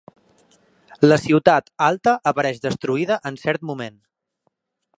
La ciutat alta apareix destruïda en cert moment.